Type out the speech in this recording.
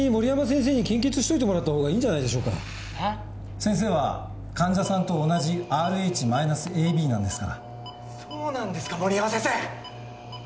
「先生は患者さんと同じＲＨマイナスＡＢなんですから」そうなんですか森山先生！